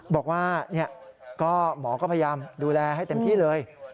บอกว่าหมอก็พยายามดูแลให้เต็มที่เลย